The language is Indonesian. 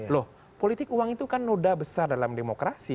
loh politik uang itu kan noda besar dalam demokrasi